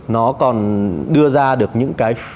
nó còn đưa ra được những cái